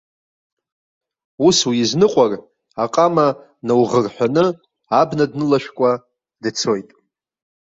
Ус уизныҟәар, аҟама науӷырҳәаны, абна днылашәкәа дцоит.